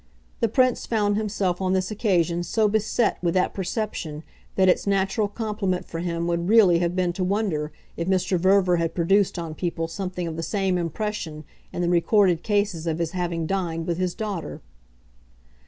The Prince found himself on this occasion so beset with that perception that its natural complement for him would really have been to wonder if Mr. Verver had produced on people something of the same impression in the recorded cases of his having dined with his daughter.